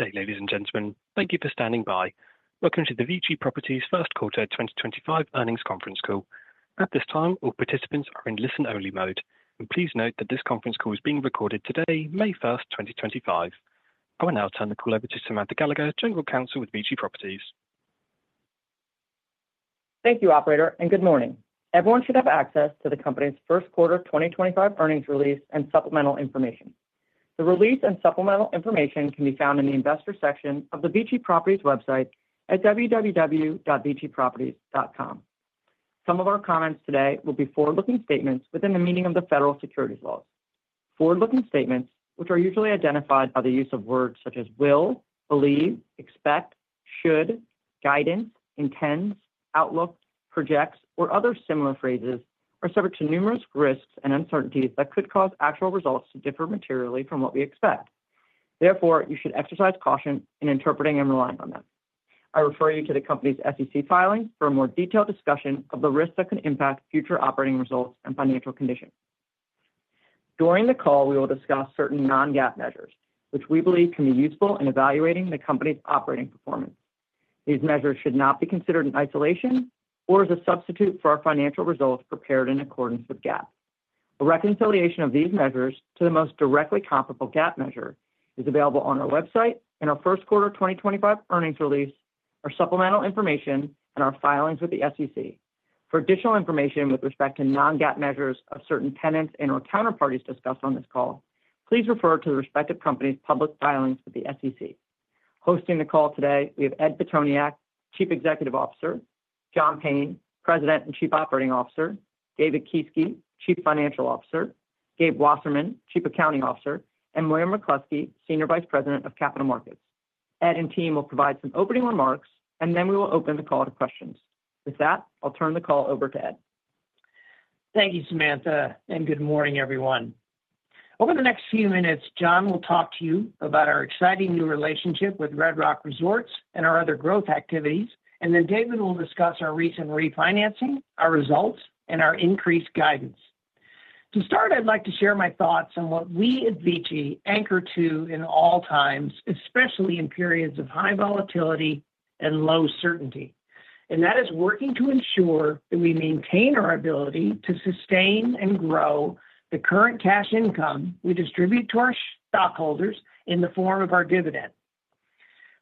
Okay, ladies and gentlemen, thank you for standing by. Welcome to the VICI Properties First Quarter 2025 Earnings Conference Call. At this time, all participants are in listen-only mode, and please note that this conference call is being recorded today, May 1, 2025. I will now turn the call over to Samantha Gallagher, General Counsel with VICI Properties. Thank you, Operator, and good morning. Everyone should have access to the company's First Quarter 2025 earnings release and supplemental information. The release and supplemental information can be found in the Investor section of the VICI Properties website at www.viciproperties.com. Some of our comments today will be forward-looking statements within the meaning of the federal securities laws. Forward-looking statements, which are usually identified by the use of words such as will, believe, expect, should, guidance, intends, outlook, projects, or other similar phrases, are subject to numerous risks and uncertainties that could cause actual results to differ materially from what we expect. Therefore, you should exercise caution in interpreting and relying on them. I refer you to the company's SEC filings for a more detailed discussion of the risks that can impact future operating results and financial condition. During the call, we will discuss certain non-GAAP measures, which we believe can be useful in evaluating the company's operating performance. These measures should not be considered in isolation or as a substitute for our financial results prepared in accordance with GAAP. A reconciliation of these measures to the most directly comparable GAAP measure is available on our website in our First Quarter 2025 earnings release, our supplemental information, and our filings with the SEC. For additional information with respect to non-GAAP measures of certain tenants and/or counterparties discussed on this call, please refer to the respective company's public filings with the SEC. Hosting the call today, we have Ed Pitoniak, Chief Executive Officer; John Payne, President and Chief Operating Officer; David Kieske, Chief Financial Officer; Gabe Wasserman, Chief Accounting Officer; and William Rokoski, Senior Vice President of Capital Markets. Ed and team will provide some opening remarks, and then we will open the call to questions. With that, I'll turn the call over to Ed. Thank you, Samantha, and good morning, everyone. Over the next few minutes, John will talk to you about our exciting new relationship with Red Rock Resorts and our other growth activities, and then David will discuss our recent refinancing, our results, and our increased guidance. To start, I'd like to share my thoughts on what we at VICI anchor to in all times, especially in periods of high volatility and low certainty, and that is working to ensure that we maintain our ability to sustain and grow the current cash income we distribute to our stockholders in the form of our dividend.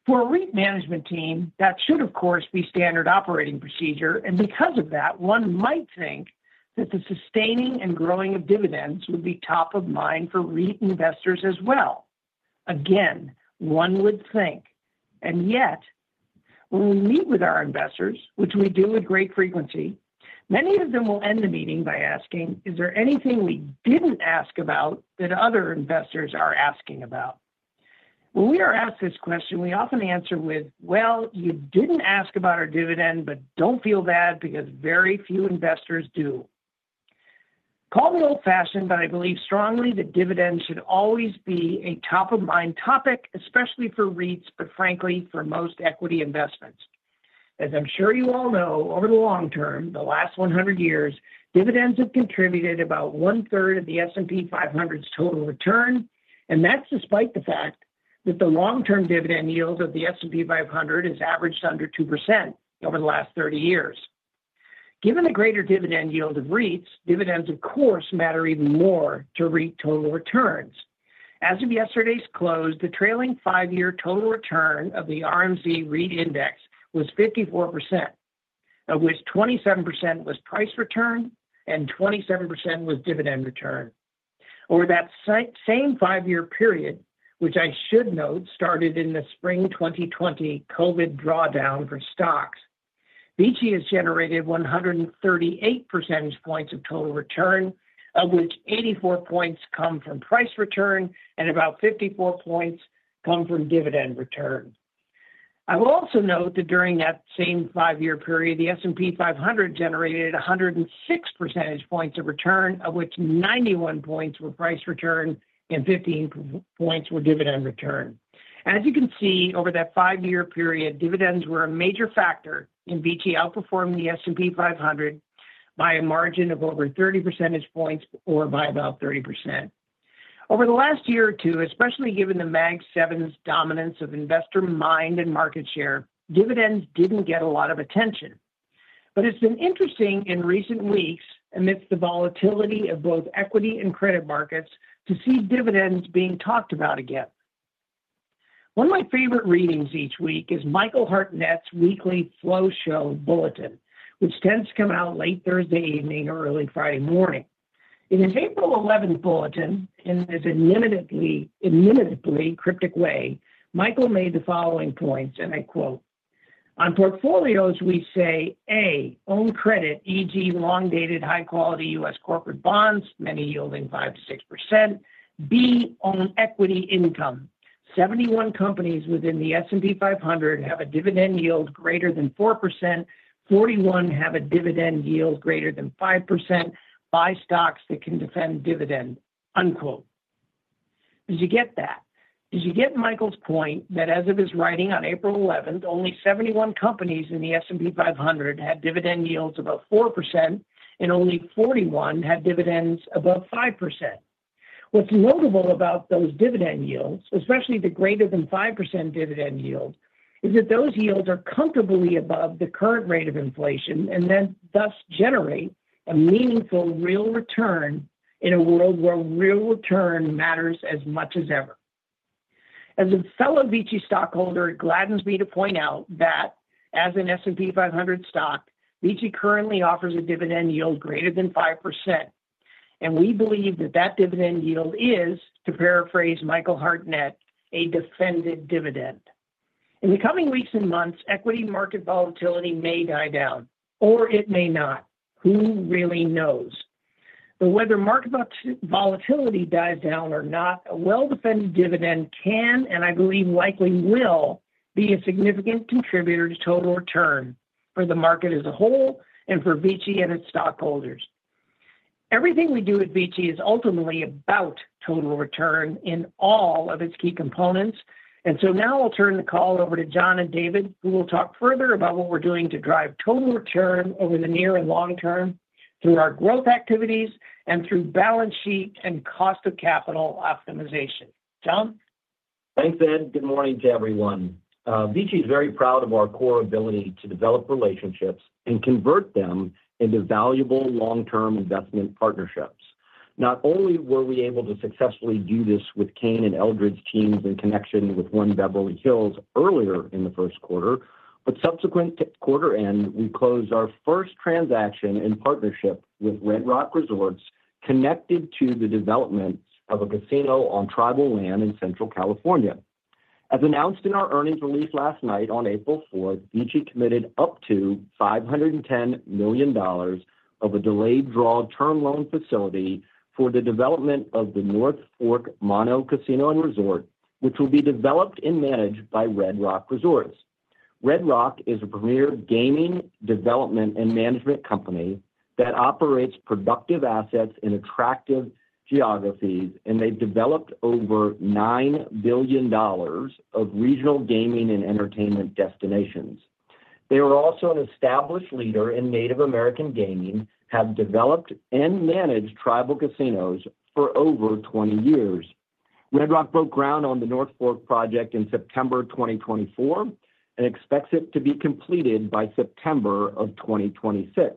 For a REIT management team, that should, of course, be standard operating procedure, and because of that, one might think that the sustaining and growing of dividends would be top of mind for REIT investors as well. Again, one would think, and yet, when we meet with our investors, which we do with great frequency, many of them will end the meeting by asking, "Is there anything we didn't ask about that other investors are asking about?" When we are asked this question, we often answer with, "Well, you didn't ask about our dividend, but don't feel bad because very few investors do." Call me old-fashioned, but I believe strongly that dividends should always be a top-of-mind topic, especially for REITs, but frankly, for most equity investments. As I'm sure you all know, over the long term, the last 100 years, dividends have contributed about one-third of the S&P 500's total return, and that's despite the fact that the long-term dividend yield of the S&P 500 has averaged under 2% over the last 30 years. Given the greater dividend yield of REITs, dividends, of course, matter even more to REIT total returns. As of yesterday's close, the trailing five-year total return of the RMZ REIT index was 54%, of which 27% was price return and 27% was dividend return, or that same five-year period, which I should note started in the spring 2020 COVID drawdown for stocks. VICI has generated 138 percentage points of total return, of which 84 points come from price return and about 54 points come from dividend return. I will also note that during that same five-year period, the S&P 500 generated 106 percentage points of return, of which 91 points were price return and 15 points were dividend return. As you can see, over that five-year period, dividends were a major factor in VICI outperforming the S&P 500 by a margin of over 30 percentage points or by about 30%. Over the last year or two, especially given the Mag 7's dominance of investor mind and market share, dividends did not get a lot of attention. It has been interesting in recent weeks, amidst the volatility of both equity and credit markets, to see dividends being talked about again. One of my favorite readings each week is Michael Hartnett's weekly flow show bulletin, which tends to come out late Thursday evening or early Friday morning. In his April 11th bulletin, in his admittedly cryptic way, Michael made the following points, and I quote, "On portfolios, we say, A, own credit, e.g., long-dated high-quality U.S. corporate bonds, many yielding 5%-6%. B, own equity income. 71 companies within the S&P 500 have a dividend yield greater than 4%. 41 have a dividend yield greater than 5%. Buy stocks that can defend dividend." As you get that, as you get Michael's point that as of his writing on April 11, only 71 companies in the S&P 500 had dividend yields above 4%, and only 41 had dividends above 5%. What's notable about those dividend yields, especially the greater than 5% dividend yield, is that those yields are comfortably above the current rate of inflation and thus generate a meaningful real return in a world where real return matters as much as ever. As a fellow VICI stockholder, it gladdens me to point out that as an S&P 500 stock, VICI currently offers a dividend yield greater than 5%, and we believe that that dividend yield is, to paraphrase Michael Hartnett, a defended dividend. In the coming weeks and months, equity market volatility may die down, or it may not. Who really knows? Whether market volatility dies down or not, a well-defended dividend can, and I believe likely will, be a significant contributor to total return for the market as a whole and for VICI and its stockholders. Everything we do at VICI is ultimately about total return in all of its key components, and so now I'll turn the call over to John and David, who will talk further about what we're doing to drive total return over the near and long term through our growth activities and through balance sheet and cost of capital optimization. John? Thanks, Ed. Good morning to everyone. VICI is very proud of our core ability to develop relationships and convert them into valuable long-term investment partnerships. Not only were we able to successfully do this with Kane and Eldred's teams in connection with One Beverly Hills earlier in the first quarter, but subsequent to quarter end, we closed our first transaction in partnership with Red Rock Resorts connected to the development of a casino on tribal land in Central California. As announced in our earnings release last night on April 4th, VICI committed up to $510 million of a delayed draw term loan facility for the development of the North Fork Mono Casino and Resort, which will be developed and managed by Red Rock Resorts. Red Rock is a premier gaming development and management company that operates productive assets in attractive geographies, and they've developed over $9 billion of regional gaming and entertainment destinations. They are also an established leader in Native American gaming, have developed and managed tribal casinos for over 20 years. Red Rock broke ground on the North Fork project in September 2024 and expects it to be completed by September of 2026.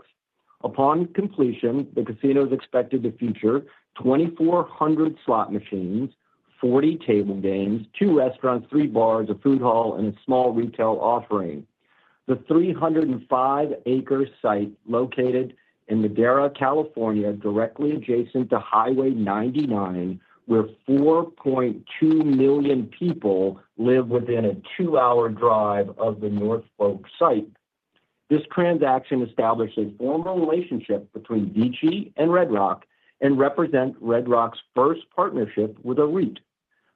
Upon completion, the casino is expected to feature 2,400 slot machines, 40 table games, two restaurants, three bars, a food hall, and a small retail offering. The 305-acre site located in Madera, California, directly adjacent to Highway 99, where 4.2 million people live within a two-hour drive of the North Fork site. This transaction established a formal relationship between VICI and Red Rock and represents Red Rock's first partnership with a REIT.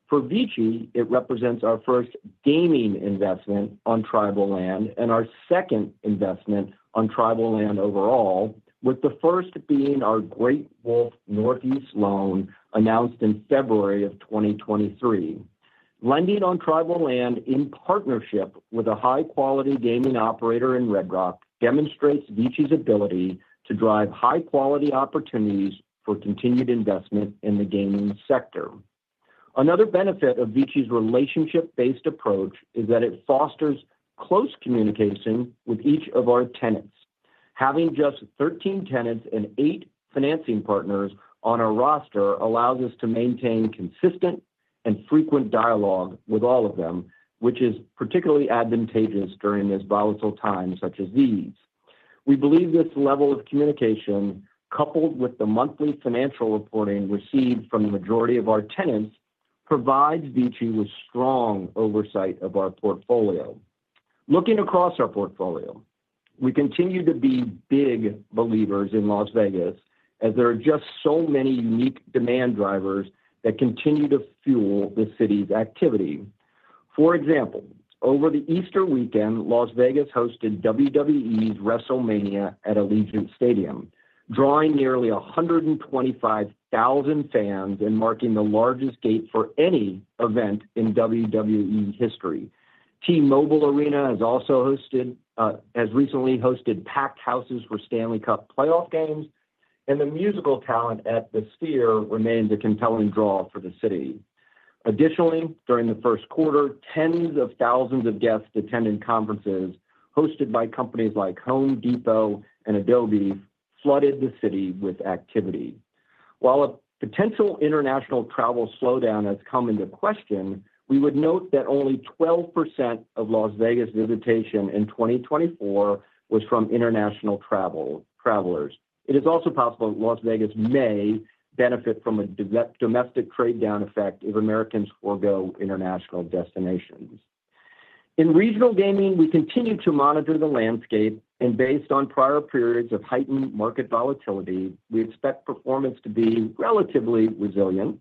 For VICI, it represents our first gaming investment on tribal land and our second investment on tribal land overall, with the first being our Great Wolf Northeast loan announced in February of 2023. Lending on tribal land in partnership with a high-quality gaming operator in Red Rock demonstrates VICI's ability to drive high-quality opportunities for continued investment in the gaming sector. Another benefit of VICI's relationship-based approach is that it fosters close communication with each of our tenants. Having just 13 tenants and eight financing partners on our roster allows us to maintain consistent and frequent dialogue with all of them, which is particularly advantageous during this volatile time such as these. We believe this level of communication, coupled with the monthly financial reporting received from the majority of our tenants, provides VICI with strong oversight of our portfolio. Looking across our portfolio, we continue to be big believers in Las Vegas as there are just so many unique demand drivers that continue to fuel the city's activity. For example, over the Easter weekend, Las Vegas hosted WWE's WrestleMania at Allegiant Stadium, drawing nearly 125,000 fans and marking the largest gate for any event in WWE history. T-Mobile Arena has also recently hosted packed houses for Stanley Cup playoff games, and the musical talent at The Sphere remains a compelling draw for the city. Additionally, during the first quarter, tens of thousands of guests attending conferences hosted by companies like Home Depot and Adobe flooded the city with activity. While a potential international travel slowdown has come into question, we would note that only 12% of Las Vegas visitation in 2024 was from international travelers. It is also possible that Las Vegas may benefit from a domestic trade-down effect if Americans forgo international destinations. In regional gaming, we continue to monitor the landscape, and based on prior periods of heightened market volatility, we expect performance to be relatively resilient.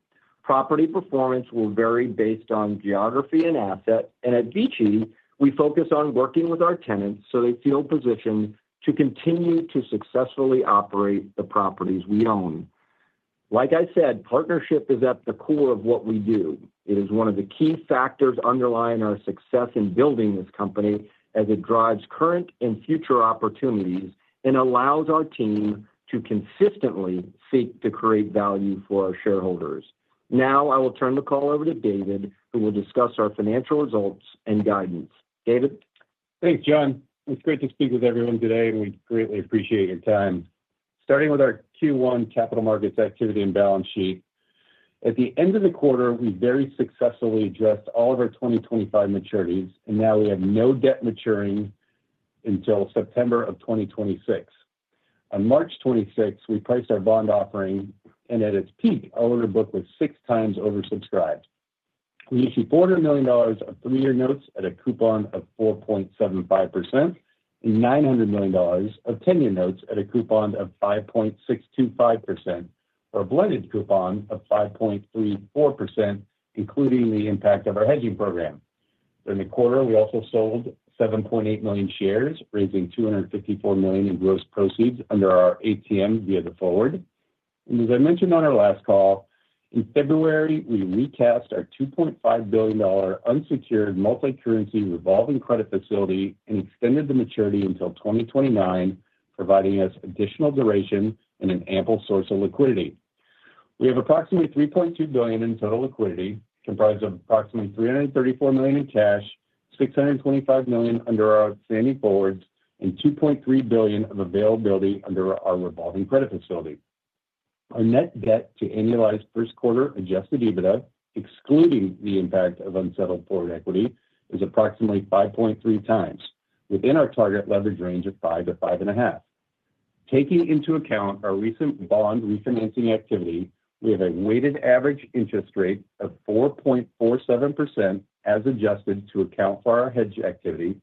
Property performance will vary based on geography and asset, and at VICI, we focus on working with our tenants so they feel positioned to continue to successfully operate the properties we own. Like I said, partnership is at the core of what we do. It is one of the key factors underlying our success in building this company as it drives current and future opportunities and allows our team to consistently seek to create value for our shareholders. Now I will turn the call over to David, who will discuss our financial results and guidance. David? Thanks, John. It's great to speak with everyone today, and we greatly appreciate your time. Starting with our Q1 capital markets activity and balance sheet, at the end of the quarter, we very successfully addressed all of our 2025 maturities, and now we have no debt maturing until September of 2026. On March 26th, we priced our bond offering, and at its peak, our order book was six times oversubscribed. We issued $400 million of three-year notes at a coupon of 4.75% and $900 million of 10-year notes at a coupon of 5.625%, or a blended coupon of 5.34%, including the impact of our hedging program. During the quarter, we also sold 7.8 million shares, raising $254 million in gross proceeds under our ATM via the forward. As I mentioned on our last call, in February, we recast our $2.5 billion unsecured multi-currency revolving credit facility and extended the maturity until 2029, providing us additional duration and an ample source of liquidity. We have approximately $3.2 billion in total liquidity, comprised of approximately $334 million in cash, $625 million under our outstanding forwards, and $2.3 billion of availability under our revolving credit facility. Our net debt to annualized first-quarter adjusted EBITDA, excluding the impact of unsettled forward equity, is approximately 5.3 times within our target leverage range of 5-5.5. Taking into account our recent bond refinancing activity, we have a weighted average interest rate of 4.47% as adjusted to account for our hedge activity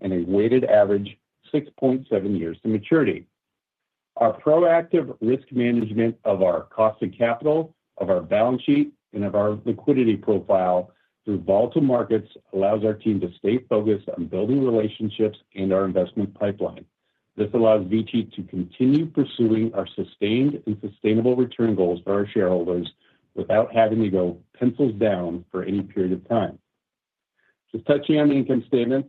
and a weighted average 6.7 years to maturity. Our proactive risk management of our cost of capital, of our balance sheet, and of our liquidity profile through volatile markets allows our team to stay focused on building relationships and our investment pipeline. This allows VICI to continue pursuing our sustained and sustainable return goals for our shareholders without having to go pencils down for any period of time. Just touching on the income statement,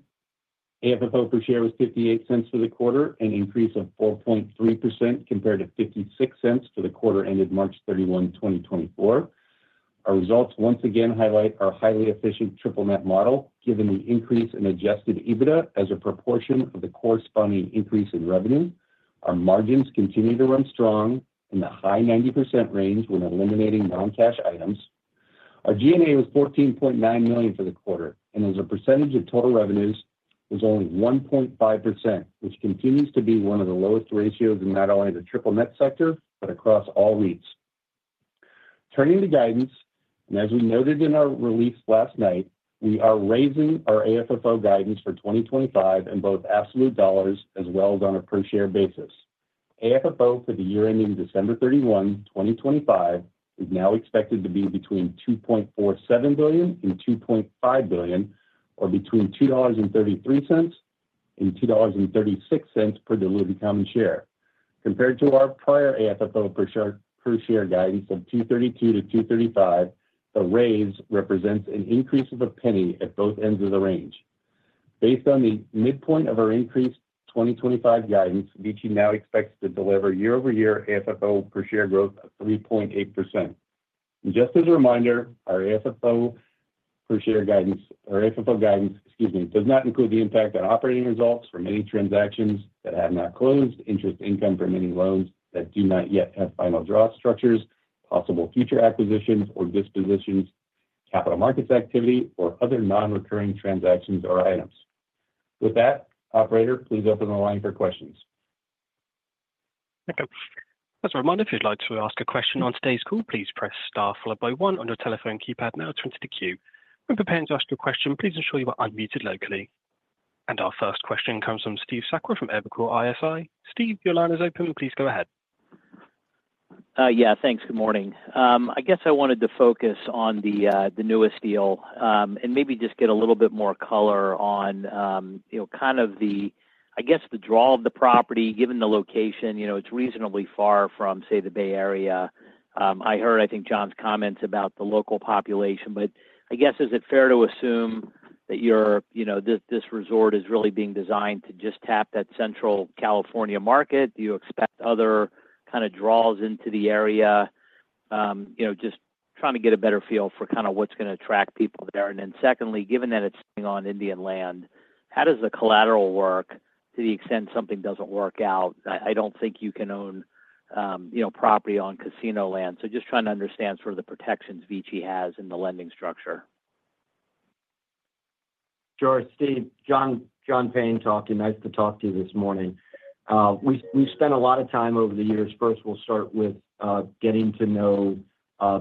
AFFO per share was $0.58 for the quarter, an increase of 4.3% compared to $0.56 for the quarter ended March 31, 2024. Our results once again highlight our highly efficient triple net model. Given the increase in adjusted EBITDA as a proportion of the corresponding increase in revenue, our margins continue to run strong in the high 90% range when eliminating non-cash items. Our G&A was $14.9 million for the quarter, and as a percentage of total revenues, it was only 1.5%, which continues to be one of the lowest ratios in not only the triple net sector, but across all REITs. Turning to guidance, and as we noted in our release last night, we are raising our AFFO guidance for 2025 in both absolute dollars as well as on a per-share basis. AFFO for the year ending December 31, 2025, is now expected to be between $2.47 billion and $2.5 billion, or between $2.33 and $2.36 per diluted common share. Compared to our prior AFFO per share guidance of $2.32 - $2.35, the raise represents an increase of a penny at both ends of the range. Based on the midpoint of our increased 2025 guidance, VICI now expects to deliver year-over-year AFFO per share growth of 3.8%. Just as a reminder, our AFFO per share guidance, our AFFO guidance, excuse me, does not include the impact on operating results for many transactions that have not closed, interest income for many loans that do not yet have final draw structures, possible future acquisitions or dispositions, capital markets activity, or other non-recurring transactions or items. With that, operator, please open the line for questions. Thank you. Mr. Ramond, if you'd like to ask a question on today's call, please press star followed by one on your telephone keypad now to enter the queue. When preparing to ask your question, please ensure you are unmuted locally. Our first question comes from Steve Sakwa from Evercore ISI. Steve, your line is open. Please go ahead. Yeah, thanks. Good morning. I guess I wanted to focus on the newest deal and maybe just get a little bit more color on kind of the, I guess, the draw of the property. Given the location, it's reasonably far from, say, the Bay Area. I heard, I think, John's comments about the local population, but I guess, is it fair to assume that this resort is really being designed to just tap that Central California market? Do you expect other kind of draws into the area? Just trying to get a better feel for kind of what's going to attract people there. Secondly, given that it's sitting on Tribal Land, how does the collateral work to the extent something doesn't work out? I don't think you can own property on casino land. Just trying to understand sort of the protections VICI has in the lending structure. Sure. Steve, John Payne talking. Nice to talk to you this morning. We've spent a lot of time over the years. First, we'll start with getting to know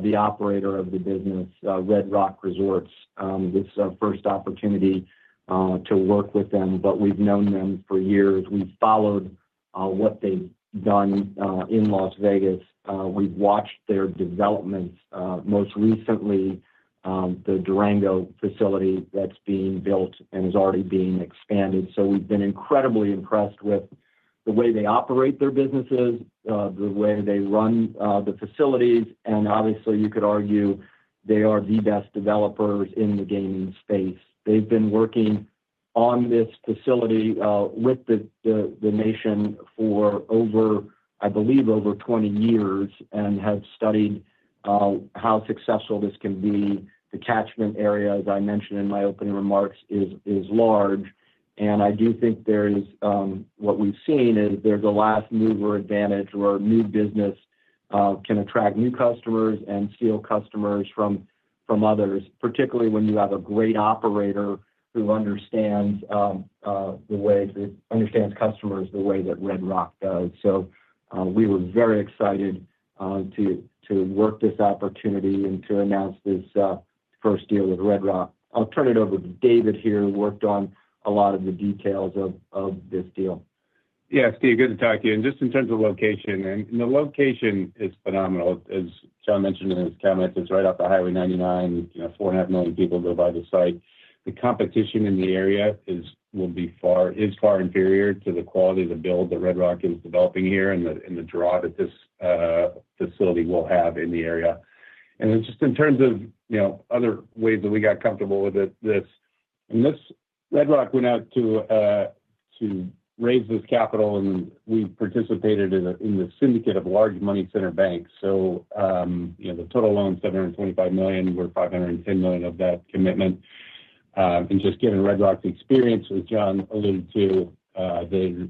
the operator of the business, Red Rock Resorts. This is our first opportunity to work with them, but we've known them for years. We've followed what they've done in Las Vegas. We've watched their developments. Most recently, the Durango facility that's being built and is already being expanded. We've been incredibly impressed with the way they operate their businesses, the way they run the facilities. Obviously, you could argue they are the best developers in the gaming space. They've been working on this facility with the nation for, I believe, over 20 years and have studied how successful this can be. The catchment area, as I mentioned in my opening remarks, is large. I do think there is what we've seen is there's a last mover advantage where new business can attract new customers and steal customers from others, particularly when you have a great operator who understands the way that understands customers the way that Red Rock does. We were very excited to work this opportunity and to announce this first deal with Red Rock. I'll turn it over to David here, who worked on a lot of the details of this deal. Yeah, Steve, good to talk to you. Just in terms of location, and the location is phenomenal. As John mentioned in his comments, it's right off the Highway 99. Four and a half million people go by the site. The competition in the area will be far, is far inferior to the quality of the build that Red Rock is developing here and the draw that this facility will have in the area. Just in terms of other ways that we got comfortable with this, Red Rock went out to raise this capital, and we participated in the syndicate of large money center banks. The total loan, $725 million, we're $510 million of that commitment. Just given Red Rock's experience, as John alluded to,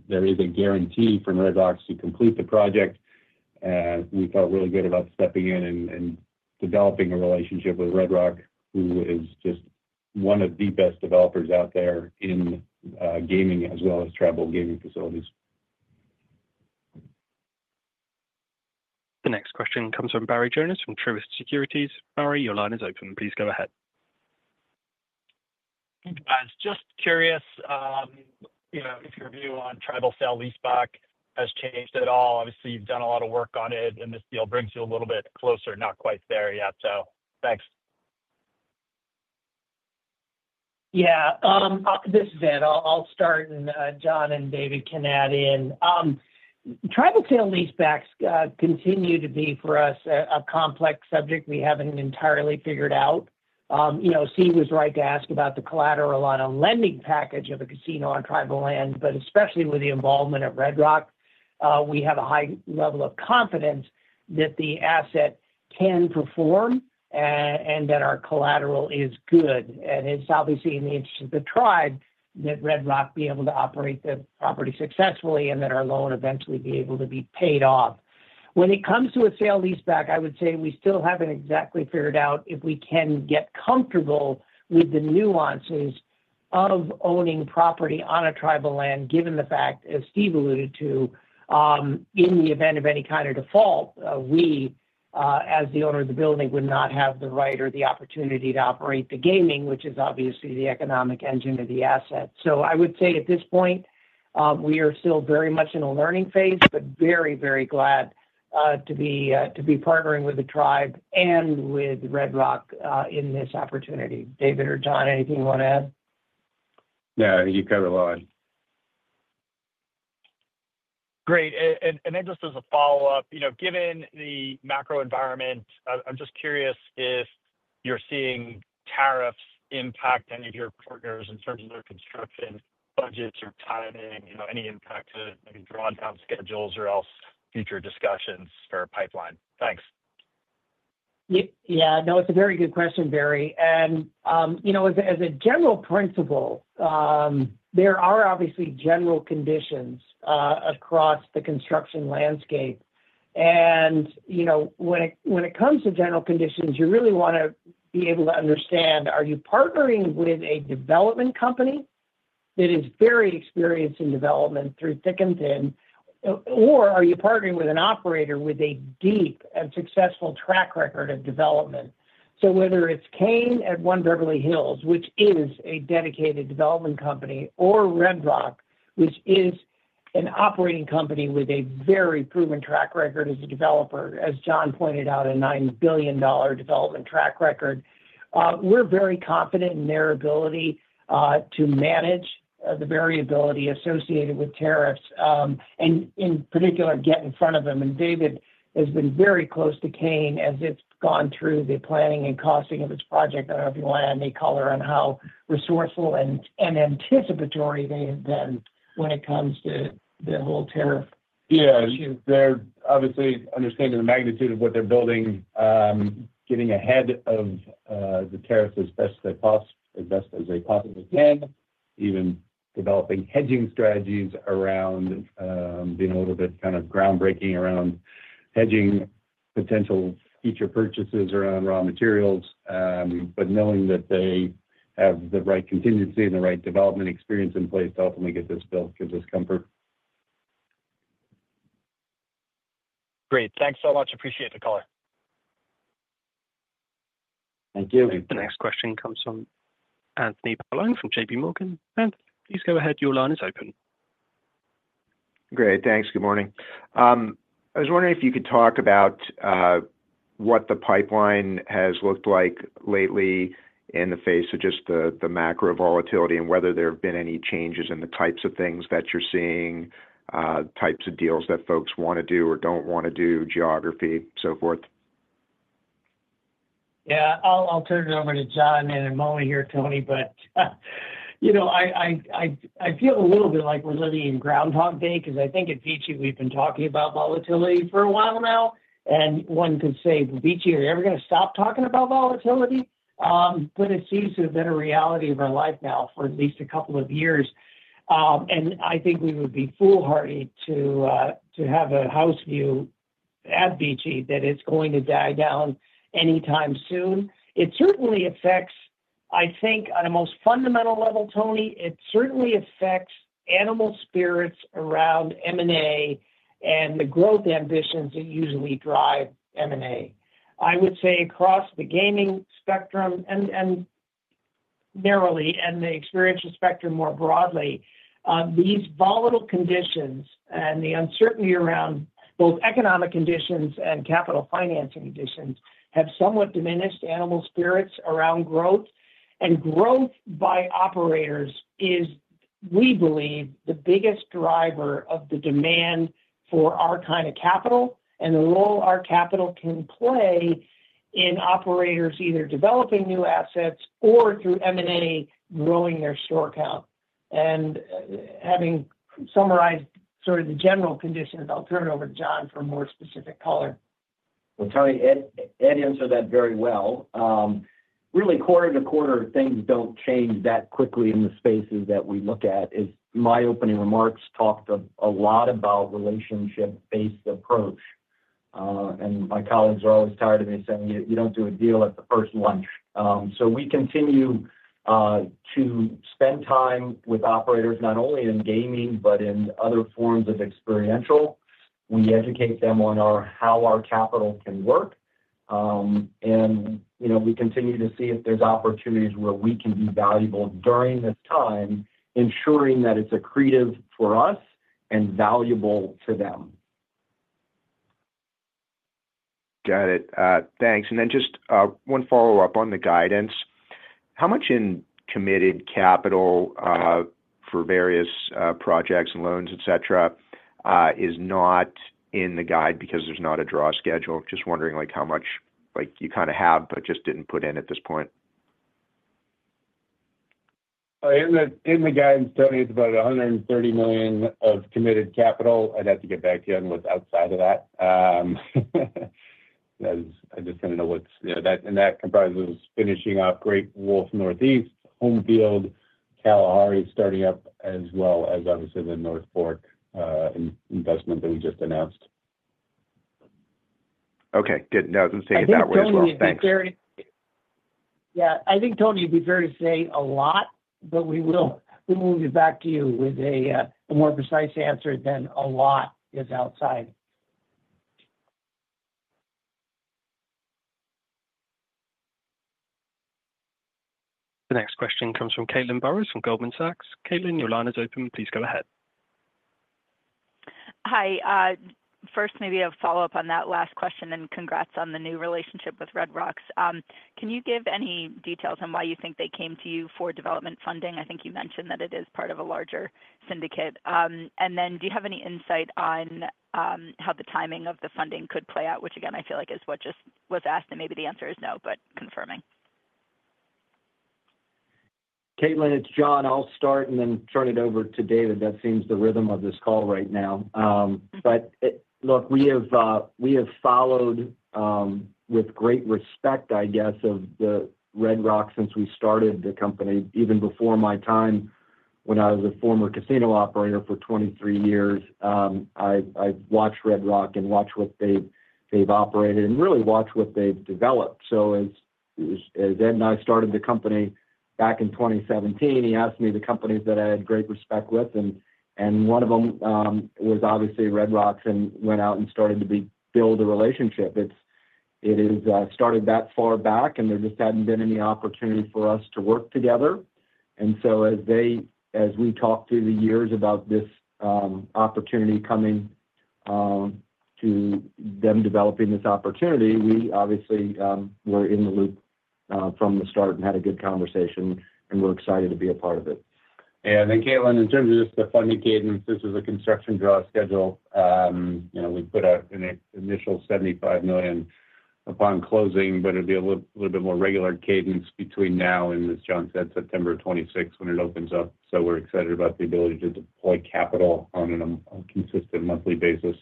there is a guarantee from Red Rock to complete the project. We felt really good about stepping in and developing a relationship with Red Rock, who is just one of the best developers out there in gaming as well as travel gaming facilities. The next question comes from Barry Jonas from Truist Securities. Barry, your line is open. Please go ahead. I was just curious if your view on Tribal Sale-Leaseback has changed at all. Obviously, you've done a lot of work on it, and this deal brings you a little bit closer, not quite there yet. Thanks. Yeah. This is it. I'll start, and John and David can add in. Tribal Sale-Leasebacks continue to be, for us, a complex subject. We haven't entirely figured out. Steve was right to ask about the collateral on a lending package of a casino on tribal land, especially with the involvement of Red Rock, we have a high level of confidence that the asset can perform and that our collateral is good. It is obviously in the interest of the tribe that Red Rock be able to operate the property successfully and that our loan eventually be able to be paid off. When it comes to a sale leaseback, I would say we still haven't exactly figured out if we can get comfortable with the nuances of owning property on a tribal land, given the fact, as Steve alluded to, in the event of any kind of default, we, as the owner of the building, would not have the right or the opportunity to operate the gaming, which is obviously the economic engine of the asset. I would say at this point, we are still very much in a learning phase, but very, very glad to be partnering with the tribe and with Red Rock in this opportunity. David or John, anything you want to add? Yeah, you covered a lot. Great. Just as a follow-up, given the macro environment, I'm just curious if you're seeing tariffs impact any of your partners in terms of their construction budgets or timing, any impact to maybe drawdown schedules or else future discussions for a pipeline. Thanks. Yeah. No, it's a very good question, Barry. As a general principle, there are obviously general conditions across the construction landscape. When it comes to general conditions, you really want to be able to understand, are you partnering with a development company that is very experienced in development through thick and thin, or are you partnering with an operator with a deep and successful track record of development? Whether it's Kane at One Beverly Hills, which is a dedicated development company, or Red Rock, which is an operating company with a very proven track record as a developer, as John pointed out, a $9 billion development track record, we're very confident in their ability to manage the variability associated with tariffs and, in particular, get in front of them. David has been very close to Kane as it's gone through the planning and costing of its project. I don't know if you want to add any color on how resourceful and anticipatory they have been when it comes to the whole tariff issue. Yeah. They're obviously understanding the magnitude of what they're building, getting ahead of the tariffs as best as they possibly can, even developing hedging strategies around being a little bit kind of groundbreaking around hedging potential future purchases around raw materials, but knowing that they have the right contingency and the right development experience in place to ultimately get this built gives us comfort. Great. Thanks so much. Appreciate the color. Thank you. The next question comes from Anthony Paolone from JP Morgan. Please go ahead. Your line is open. Great. Thanks. Good morning. I was wondering if you could talk about what the pipeline has looked like lately in the face of just the macro volatility and whether there have been any changes in the types of things that you're seeing, types of deals that folks want to do or don't want to do, geography, so forth. Yeah. I'll turn it over to John in a moment here, Tony, but I feel a little bit like we're living in Groundhog Day because I think at VICI, we've been talking about volatility for a while now. One could say, "VICI, are you ever going to stop talking about volatility?" It seems to have been a reality of our life now for at least a couple of years. I think we would be foolhardy to have a house view at VICI that it's going to die down anytime soon. It certainly affects, I think, on a most fundamental level, Tony, it certainly affects animal spirits around M&A and the growth ambitions that usually drive M&A. I would say across the gaming spectrum narrowly and the experiential spectrum more broadly, these volatile conditions and the uncertainty around both economic conditions and capital financing conditions have somewhat diminished animal spirits around growth. Growth by operators is, we believe, the biggest driver of the demand for our kind of capital and the role our capital can play in operators either developing new assets or through M&A growing their store count. Having summarized sort of the general conditions, I'll turn it over to John for more specific color. Tony, Ed answered that very well. Really, quarter to quarter, things do not change that quickly in the spaces that we look at. My opening remarks talked a lot about relationship-based approach. My colleagues are always tired of me saying, "You do not do a deal at the first lunch." We continue to spend time with operators not only in gaming but in other forms of experiential. We educate them on how our capital can work. We continue to see if there are opportunities where we can be valuable during this time, ensuring that it is accretive for us and valuable to them. Got it. Thanks. Just one follow-up on the guidance. How much in committed capital for various projects and loans, etc., is not in the guide because there's not a draw schedule? Just wondering how much you kind of have but just didn't put in at this point. In the guidance, Tony, it's about $130 million of committed capital. I'd have to get back to you on what's outside of that. I just want to know what's and that comprises finishing off Great Wolf Northeast, Homefield, Kalahari starting up, as well as, obviously, the North Fork investment that we just announced. Okay. Good. No, I was going to say it that way as well. Thanks. Yeah. I think, Tony, it'd be fair to say a lot, but we will move it back to you with a more precise answer than a lot is outside. The next question comes from Caitlin Burrows from Goldman Sachs. Caitlin, your line is open. Please go ahead. Hi. First, maybe a follow-up on that last question and congrats on the new relationship with Red Rock. Can you give any details on why you think they came to you for development funding? I think you mentioned that it is part of a larger syndicate. Do you have any insight on how the timing of the funding could play out, which, again, I feel like is what just was asked, and maybe the answer is no, but confirming? Caitlin, it's John. I'll start and then turn it over to David. That seems the rhythm of this call right now. Look, we have followed with great respect, I guess, of the Red Rock since we started the company. Even before my time when I was a former casino operator for 23 years, I've watched Red Rock and watched what they've operated and really watched what they've developed. As Ed and I started the company back in 2017, he asked me the companies that I had great respect with, and one of them was obviously Red Rock and went out and started to build a relationship. It started that far back, and there just hadn't been any opportunity for us to work together. As we talked through the years about this opportunity coming to them developing this opportunity, we obviously were in the loop from the start and had a good conversation, and we're excited to be a part of it. Yeah. Caitlin, in terms of just the funding cadence, this is a construction draw schedule. We put out an initial $75 million upon closing, but it'd be a little bit more regular cadence between now and, as John said, September 26th when it opens up. We are excited about the ability to deploy capital on a consistent monthly basis.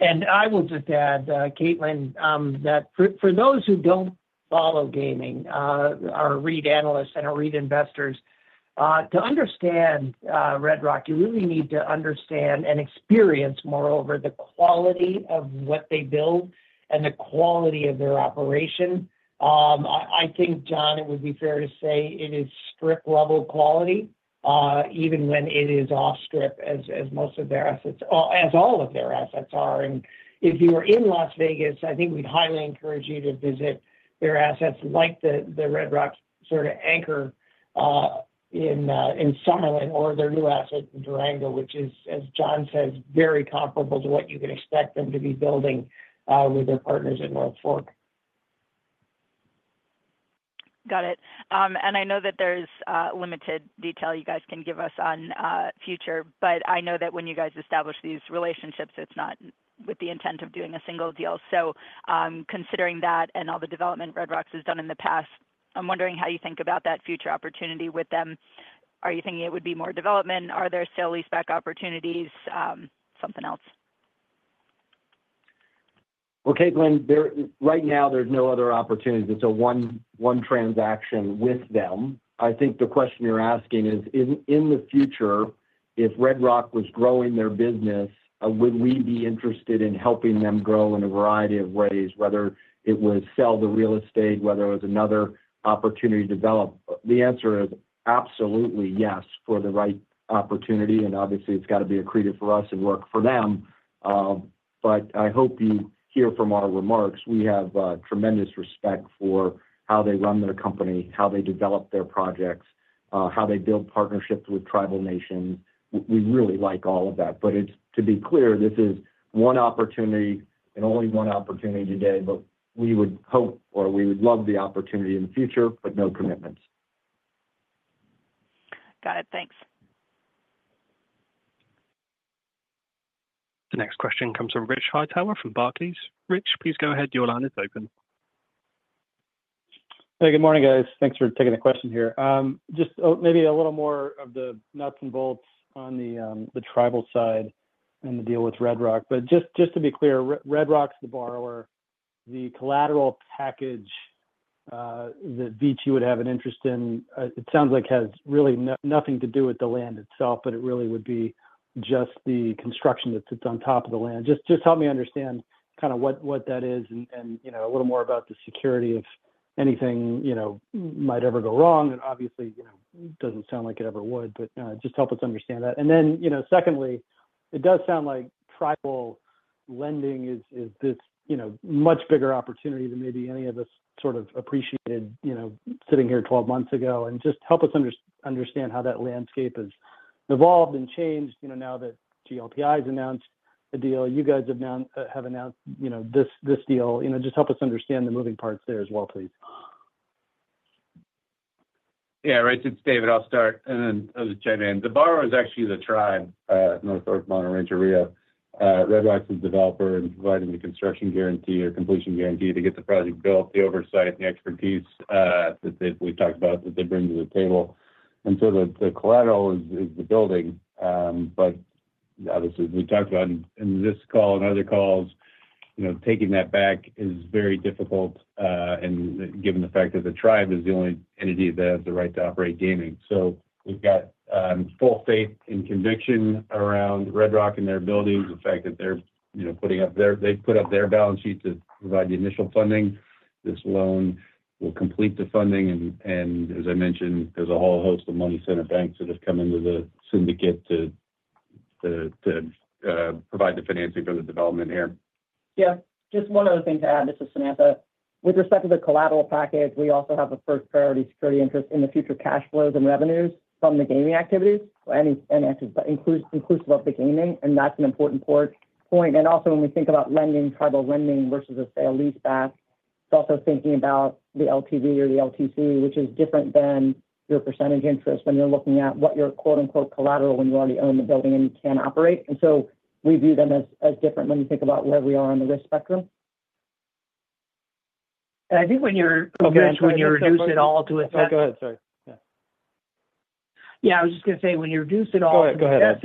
I will just add, Caitlin, that for those who do not follow gaming, our REIT analysts and our REIT investors, to understand Red Rock, you really need to understand and experience, moreover, the quality of what they build and the quality of their operation. I think, John, it would be fair to say it is strip-level quality, even when it is off-strip, as most of their assets are, as all of their assets are. If you were in Las Vegas, I think we would highly encourage you to visit their assets like the Red Rock sort of anchor in Summerlin or their new asset, Durango, which is, as John says, very comparable to what you can expect them to be building with their partners at North Fork. Got it. I know that there's limited detail you guys can give us on future, but I know that when you guys establish these relationships, it's not with the intent of doing a single deal. Considering that and all the development Red Rock Resorts has done in the past, I'm wondering how you think about that future opportunity with them. Are you thinking it would be more development? Are there sale-leaseback opportunities? Something else? Caitlin, right now, there's no other opportunity. It's a one transaction with them. I think the question you're asking is, in the future, if Red Rock was growing their business, would we be interested in helping them grow in a variety of ways, whether it was sell the real estate, whether it was another opportunity to develop? The answer is absolutely yes for the right opportunity. Obviously, it's got to be accretive for us and work for them. I hope you hear from our remarks. We have tremendous respect for how they run their company, how they develop their projects, how they build partnerships with tribal nations. We really like all of that. To be clear, this is one opportunity and only one opportunity today, but we would hope or we would love the opportunity in the future, but no commitments. Got it. Thanks. The next question comes from Rich Hightower from Barclays. Rich, please go ahead. Your line is open. Hey, good morning, guys. Thanks for taking the question here. Just maybe a little more of the nuts and bolts on the tribal side and the deal with Red Rock. Just to be clear, Red Rock's the borrower. The collateral package that VICI would have an interest in, it sounds like, has really nothing to do with the land itself, but it really would be just the construction that sits on top of the land. Just help me understand kind of what that is and a little more about the security if anything might ever go wrong. Obviously, it doesn't sound like it ever would, but just help us understand that. Secondly, it does sound like tribal lending is this much bigger opportunity than maybe any of us sort of appreciated sitting here 12 months ago. Just help us understand how that landscape has evolved and changed now that GLPI has announced a deal. You guys have announced this deal. Just help us understand the moving parts there as well, please. Yeah. Right. It's David. I'll start. I'll just chime in. The borrower is actually the tribe, North Fork Rancheria. Red Rock's the developer and providing the construction guarantee or completion guarantee to get the project built, the oversight, the expertise that we've talked about that they bring to the table. The collateral is the building. Obviously, as we talked about in this call and other calls, taking that back is very difficult given the fact that the tribe is the only entity that has the right to operate gaming. We've got full faith and conviction around Red Rock and their buildings, the fact that they're putting up their balance sheet to provide the initial funding. This loan will complete the funding. As I mentioned, there's a whole host of money center banks that have come into the syndicate to provide the financing for the development here. Yeah. Just one other thing to add, this is Samantha. With respect to the collateral package, we also have a first-priority security interest in the future cash flows and revenues from the gaming activities, inclusive of the gaming. That's an important point. Also, when we think about tribal lending versus a sale leaseback, it's also thinking about the LTV or the LTC, which is different than your percentage interest when you're looking at what your "collateral" is when you already own the building and can operate. We view them as different when you think about where we are on the risk spectrum. I think when you're reducing it all to effect. Go ahead. Sorry. Yeah. Yeah. I was just going to say when you reduce it all to effect.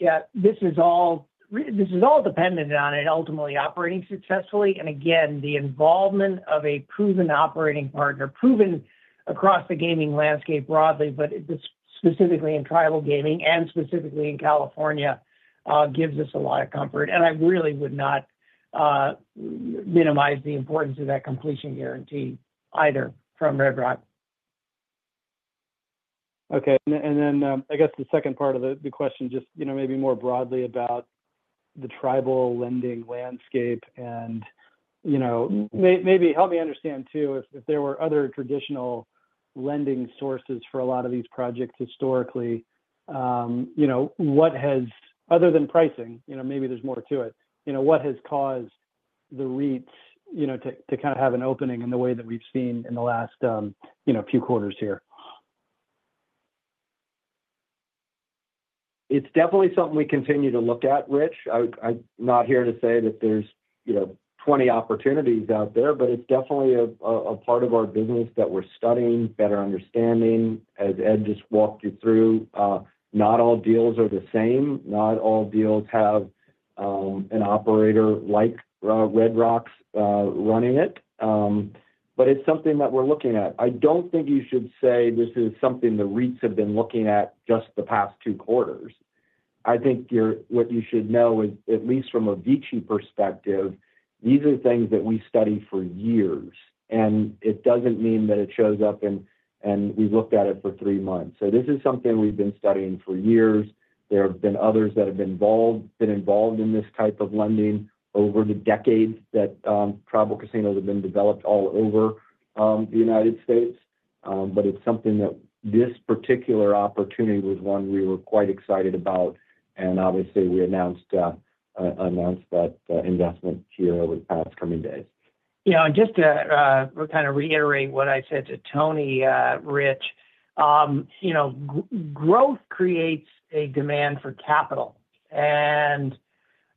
Yeah. This is all dependent on it ultimately operating successfully. Again, the involvement of a proven operating partner, proven across the gaming landscape broadly, but specifically in tribal gaming and specifically in California, gives us a lot of comfort. I really would not minimize the importance of that completion guarantee either from Red Rock. Okay. I guess the second part of the question, just maybe more broadly about the tribal lending landscape. Maybe help me understand too, if there were other traditional lending sources for a lot of these projects historically, other than pricing, maybe there's more to it, what has caused the REITs to kind of have an opening in the way that we've seen in the last few quarters here? It's definitely something we continue to look at, Rich. I'm not here to say that there's 20 opportunities out there, but it's definitely a part of our business that we're studying, better understanding. As Ed just walked you through, not all deals are the same. Not all deals have an operator like Red Rock Resorts running it. It's something that we're looking at. I don't think you should say this is something the REITs have been looking at just the past two quarters. What you should know is, at least from a VICI perspective, these are things that we study for years. It doesn't mean that it shows up and we've looked at it for three months. This is something we've been studying for years. There have been others that have been involved in this type of lending over the decades that tribal casinos have been developed all over the United States. It is something that this particular opportunity was one we were quite excited about. Obviously, we announced that investment here over the past coming days. Yeah. Just to kind of reiterate what I said to Tony, Rich, growth creates a demand for capital.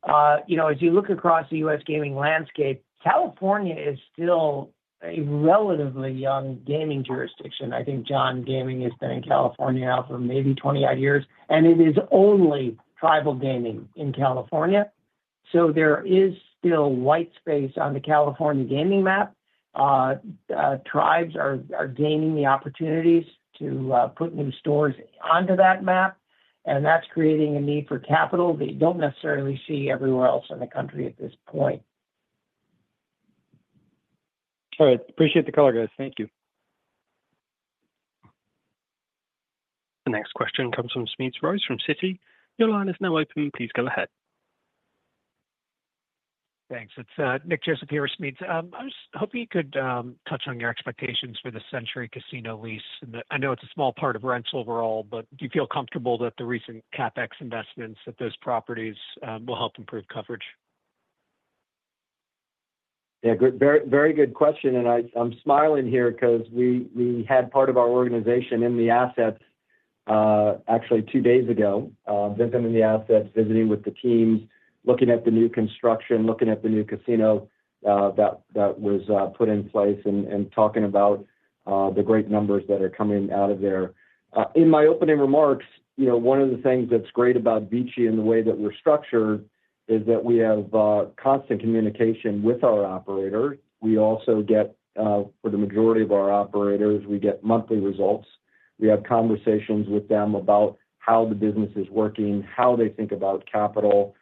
As you look across the U.S. gaming landscape, California is still a relatively young gaming jurisdiction. I think, John, gaming has been in California now for maybe 20-odd years. It is only tribal gaming in California. There is still white space on the California gaming map. Tribes are gaining the opportunities to put new stores onto that map. That is creating a need for capital that you do not necessarily see everywhere else in the country at this point. All right. Appreciate the call, guys. Thank you. The next question comes from Caitlin Burrows from Citi. Your line is now open. Please go ahead. Thanks. It's Nick Joseph here with Caitlin. I was hoping you could touch on your expectations for the Century Casinos lease. I know it's a small part of rents overall, but do you feel comfortable that the recent CapEx investments at those properties will help improve coverage? Yeah. Very good question. I am smiling here because we had part of our organization in the assets actually two days ago, visiting the assets, visiting with the teams, looking at the new construction, looking at the new casino that was put in place, and talking about the great numbers that are coming out of there. In my opening remarks, one of the things that is great about VICI and the way that we are structured is that we have constant communication with our operators. We also get, for the majority of our operators, we get monthly results. We have conversations with them about how the business is working, how they think about capital.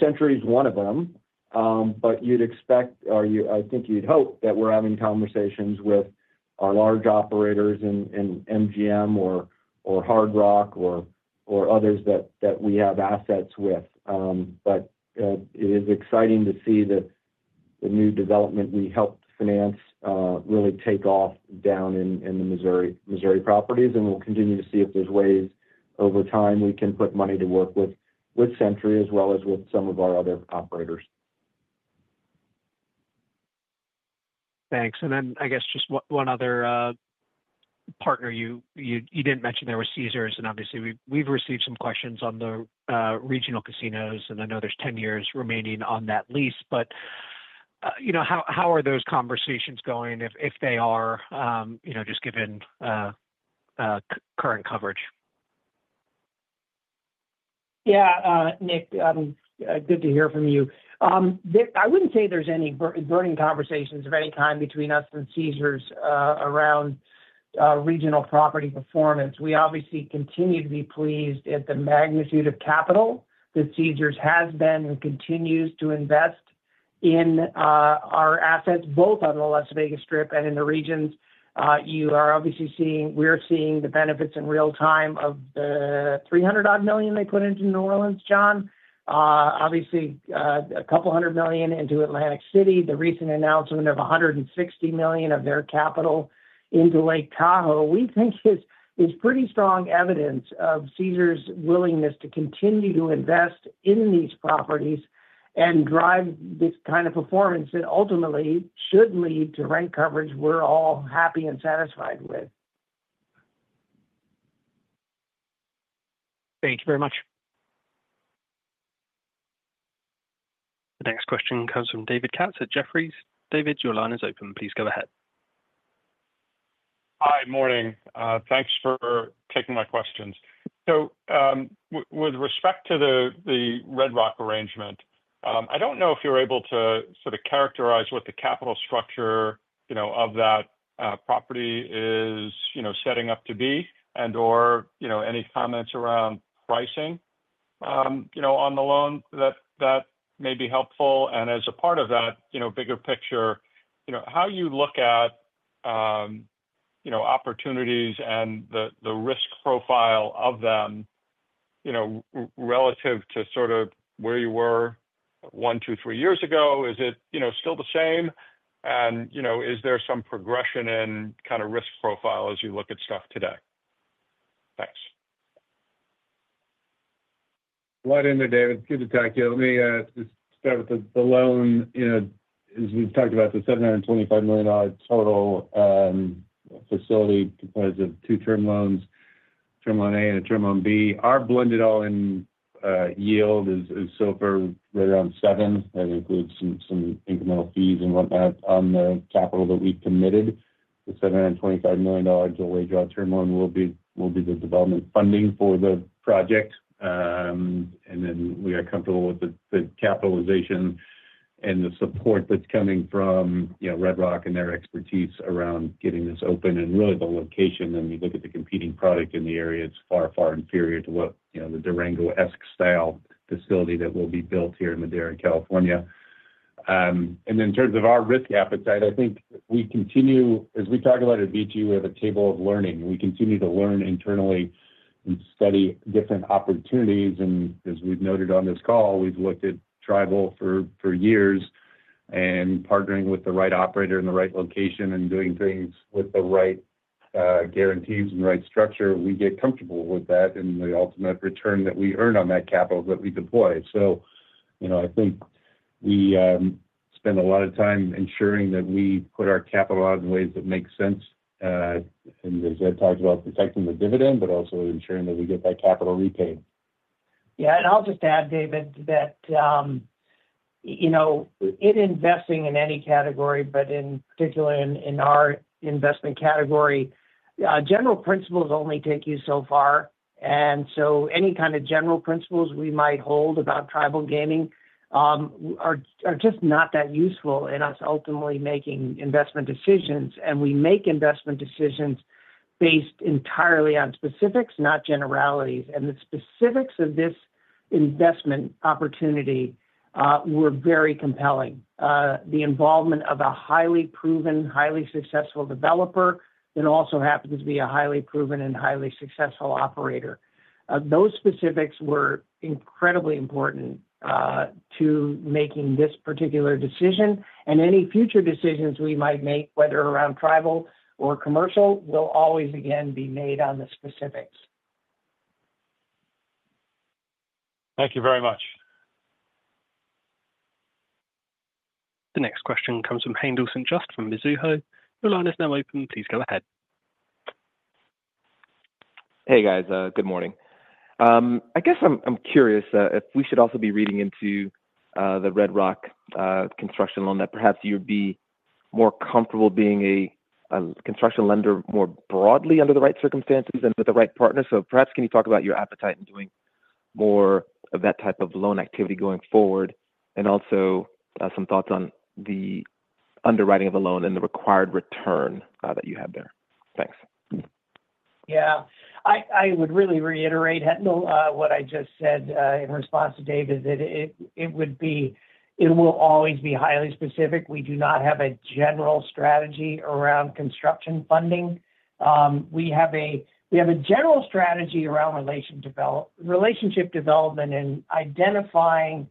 Century is one of them. You would expect, or I think you would hope that we are having conversations with our large operators in MGM or Hard Rock or others that we have assets with. It is exciting to see the new development we helped finance really take off down in the Missouri properties. We'll continue to see if there's ways over time we can put money to work with Century as well as with some of our other operators. Thanks. I guess just one other partner you did not mention there was Caesars. Obviously, we have received some questions on the regional casinos. I know there are 10 years remaining on that lease. How are those conversations going, if they are, just given current coverage? Yeah. Nick, good to hear from you. I would not say there is any burning conversations of any kind between us and Caesars around regional property performance. We obviously continue to be pleased at the magnitude of capital that Caesars has been and continues to invest in our assets, both on the Las Vegas Strip and in the regions. You are obviously seeing we are seeing the benefits in real time of the $300 million-odd they put into New Orleans, John. Obviously, a couple hundred million into Atlantic City. The recent announcement of $160 million of their capital into Lake Tahoe, we think, is pretty strong evidence of Caesars' willingness to continue to invest in these properties and drive this kind of performance that ultimately should lead to rent coverage we are all happy and satisfied with. Thank you very much. The next question comes from David Gross at Jefferies. David, your line is open. Please go ahead. Hi. Morning. Thanks for taking my questions. With respect to the Red Rock arrangement, I don't know if you're able to sort of characterize what the capital structure of that property is setting up to be and/or any comments around pricing on the loan that may be helpful. As a part of that bigger picture, how you look at opportunities and the risk profile of them relative to sort of where you were one, two, three years ago, is it still the same? Is there some progression in kind of risk profile as you look at stuff today? Thanks. A lot in there, David. It's good to talk to you. Let me just start with the loan. As we've talked about, the $725 million total facility comprised of two term loans, term loan A and a term loan B, our blended all-in yield is so far right around 7%. That includes some incremental fees and whatnot on the capital that we've committed. The $725 million dual-tranche term loan will be the development funding for the project. We are comfortable with the capitalization and the support that's coming from Red Rock and their expertise around getting this open. Really, the location, when you look at the competing product in the area, it's far, far inferior to the Durango-esque style facility that will be built here in Madera, California. In terms of our risk appetite, I think we continue as we talk about it at VICI, we have a table of learning. We continue to learn internally and study different opportunities. As we've noted on this call, we've looked at tribal for years. Partnering with the right operator in the right location and doing things with the right guarantees and right structure, we get comfortable with that and the ultimate return that we earn on that capital that we deploy. I think we spend a lot of time ensuring that we put our capital out in ways that make sense. As Ed talked about, protecting the dividend, but also ensuring that we get that capital repaid. Yeah. I'll just add, David, that in investing in any category, but in particular in our investment category, general principles only take you so far. Any kind of general principles we might hold about tribal gaming are just not that useful in us ultimately making investment decisions. We make investment decisions based entirely on specifics, not generalities. The specifics of this investment opportunity were very compelling. The involvement of a highly proven, highly successful developer that also happens to be a highly proven and highly successful operator. Those specifics were incredibly important to making this particular decision. Any future decisions we might make, whether around tribal or commercial, will always, again, be made on the specifics. Thank you very much. The next question comes from Haendel Juste from Mizuho. Your line is now open. Please go ahead. Hey, guys. Good morning. I guess I'm curious if we should also be reading into the Red Rock construction loan that perhaps you would be more comfortable being a construction lender more broadly under the right circumstances and with the right partner. Perhaps can you talk about your appetite in doing more of that type of loan activity going forward? Also some thoughts on the underwriting of the loan and the required return that you have there. Thanks. Yeah. I would really reiterate what I just said in response to David, that it will always be highly specific. We do not have a general strategy around construction funding. We have a general strategy around relationship development and identifying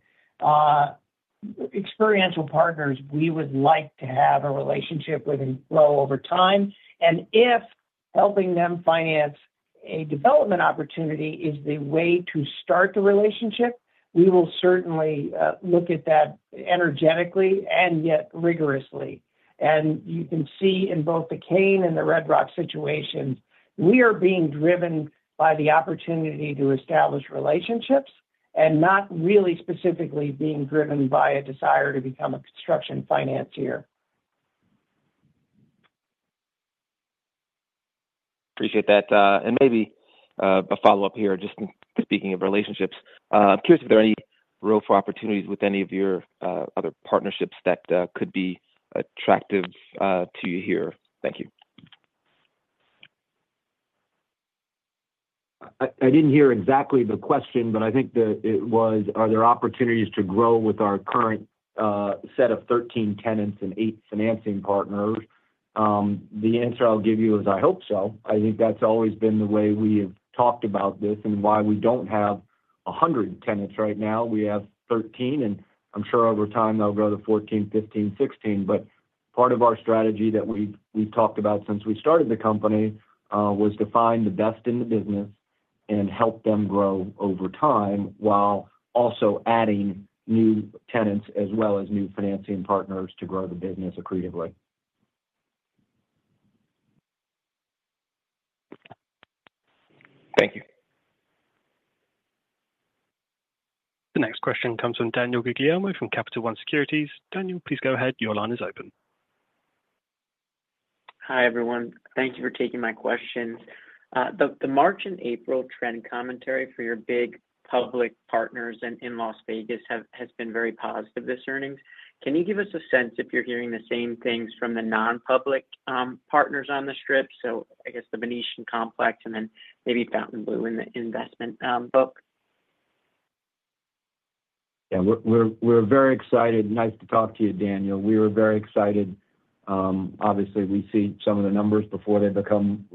experiential partners we would like to have a relationship with and grow over time. If helping them finance a development opportunity is the way to start the relationship, we will certainly look at that energetically and yet rigorously. You can see in both the Cain and the Red Rock situation, we are being driven by the opportunity to establish relationships and not really specifically being driven by a desire to become a construction financier. Appreciate that. Maybe a follow-up here, just speaking of relationships. I'm curious if there are any road for opportunities with any of your other partnerships that could be attractive to you here. Thank you. I didn't hear exactly the question, but I think it was, are there opportunities to grow with our current set of 13 tenants and 8 financing partners? The answer I'll give you is I hope so. I think that's always been the way we have talked about this and why we don't have 100 tenants right now. We have 13. I'm sure over time they'll grow to 14, 15, 16. Part of our strategy that we've talked about since we started the company was to find the best in the business and help them grow over time while also adding new tenants as well as new financing partners to grow the business accretively. Thank you. The next question comes from Daniel Guglielmo from Capital One Securities. Daniel, please go ahead. Your line is open. Hi, everyone. Thank you for taking my questions. The March and April trend commentary for your big public partners in Las Vegas has been very positive this earnings. Can you give us a sense if you're hearing the same things from the non-public partners on the Strip? I guess the Venetian Resort Las Vegas and then maybe Fontainebleau Las Vegas in the investment book. Yeah. We're very excited. Nice to talk to you, Daniel. We were very excited. Obviously, we see some of the numbers before they become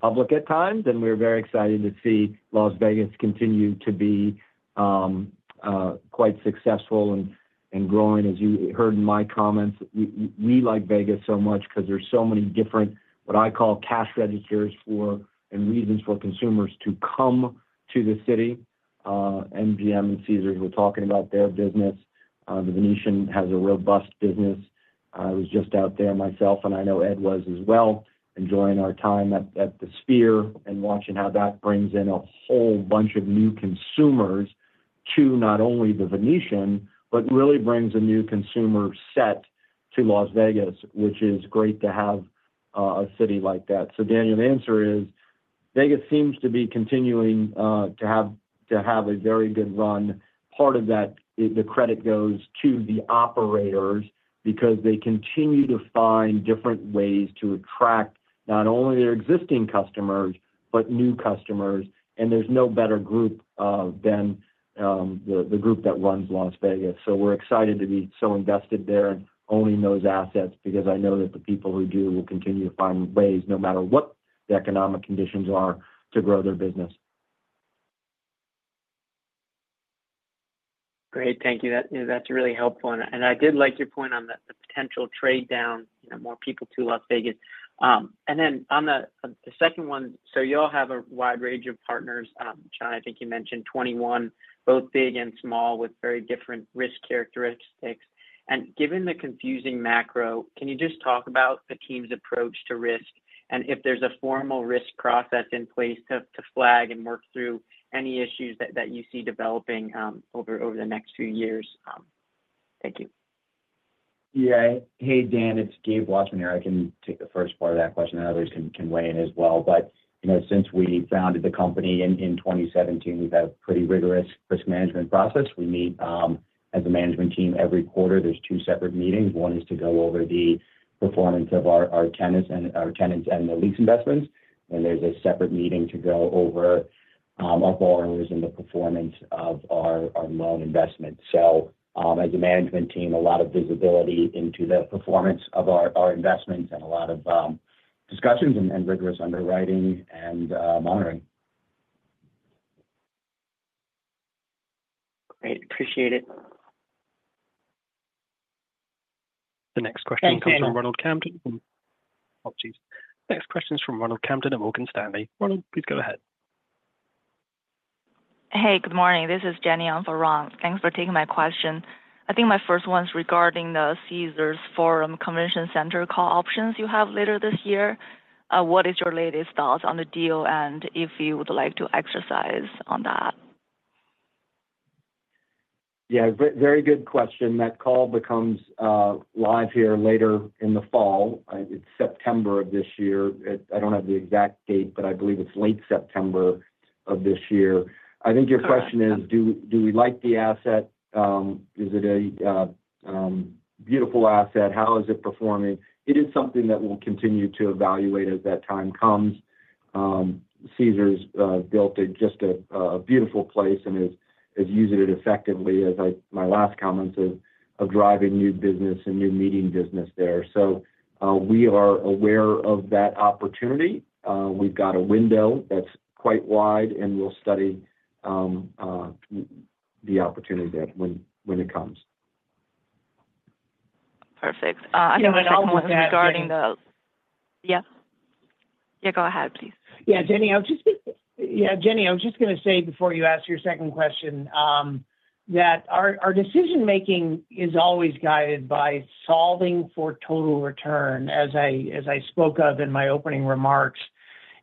public at times. We're very excited to see Las Vegas continue to be quite successful and growing. As you heard in my comments, we like Vegas so much because there's so many different what I call cash registers and reasons for consumers to come to the city. MGM and Caesars were talking about their business. The Venetian has a robust business. I was just out there myself, and I know Ed was as well, enjoying our time at the Sphere and watching how that brings in a whole bunch of new consumers to not only the Venetian, but really brings a new consumer set to Las Vegas, which is great to have a city like that. Daniel, the answer is Vegas seems to be continuing to have a very good run. Part of that, the credit goes to the operators because they continue to find different ways to attract not only their existing customers, but new customers. There is no better group than the group that runs Las Vegas. We are excited to be so invested there and owning those assets because I know that the people who do will continue to find ways no matter what the economic conditions are to grow their business. Great. Thank you. That's really helpful. I did like your point on the potential trade down, more people to Las Vegas. On the second one, you all have a wide range of partners. John, I think you mentioned 21, both big and small with very different risk characteristics. Given the confusing macro, can you just talk about the team's approach to risk and if there's a formal risk process in place to flag and work through any issues that you see developing over the next few years? Thank you. Yeah. Hey, Dan, it's Gabe Wasserman here. I can take the first part of that question. Others can weigh in as well. Since we founded the company in 2017, we've had a pretty rigorous risk management process. We meet as a management team every quarter. There are two separate meetings. One is to go over the performance of our tenants and the lease investments. There is a separate meeting to go over our borrowers and the performance of our loan investments. As a management team, a lot of visibility into the performance of our investments and a lot of discussions and rigorous underwriting and monitoring. Great. Appreciate it. The next question comes from Ronald Camden. Oh, jeez. Next question is from Ronald Camden of Morgan Stanley. Ronald, please go ahead. Hey, good morning. This is Jenny on the run. Thanks for taking my question. I think my first one's regarding the Caesars Forum Convention Center call options you have later this year. What is your latest thoughts on the deal and if you would like to exercise on that? Yeah. Very good question. That call becomes live here later in the fall. It's September of this year. I don't have the exact date, but I believe it's late September of this year. I think your question is, do we like the asset? Is it a beautiful asset? How is it performing? It is something that we'll continue to evaluate as that time comes. Caesars built just a beautiful place and is using it effectively as my last comments of driving new business and new meeting business there. We are aware of that opportunity. We've got a window that's quite wide, and we'll study the opportunity when it comes. Perfect. I have a couple more regarding the. Yeah. Yeah. Go ahead, please. Yeah, Jenny, I was just going to say before you asked your second question that our decision-making is always guided by solving for total return, as I spoke of in my opening remarks.